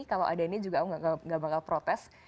kalau ada ini juga aku gak bakal protes